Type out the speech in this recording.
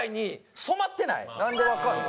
なんでわかるの？